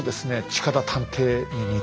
近田探偵に似てる。